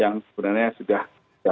yang sebenarnya sudah